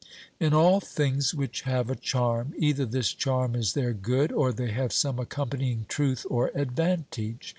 In all things which have a charm, either this charm is their good, or they have some accompanying truth or advantage.